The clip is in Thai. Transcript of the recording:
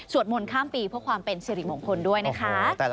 มนต์ข้ามปีเพื่อความเป็นสิริมงคลด้วยนะคะ